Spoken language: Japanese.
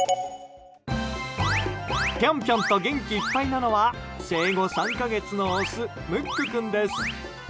ぴょんぴょんと元気いっぱいなのは生後３か月のオスむっく君です。